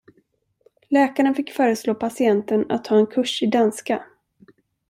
Läkaren fick föreslå patienten att ta en kurs i danska.